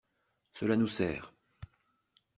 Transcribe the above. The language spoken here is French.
Cela nous sert.